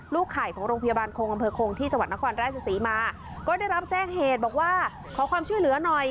ไข่ของโรงพยาบาลคงอำเภอโคงที่จังหวัดนครราชศรีมาก็ได้รับแจ้งเหตุบอกว่าขอความช่วยเหลือหน่อย